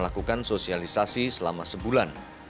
jadi dalam beberapa perjalanan ini bahwa